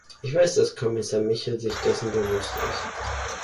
Ich weiß, dass Kommissar Michel sich dessen bewusst ist.